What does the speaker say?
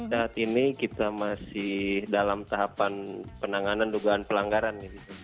saat ini kita masih dalam tahapan penanganan dugaan pelanggaran